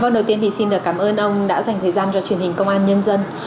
vòng đầu tiên thì xin cảm ơn ông đã dành thời gian cho truyền hình công an nhân dân